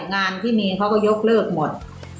งานที่มีเขาก็ยกเลิกหมด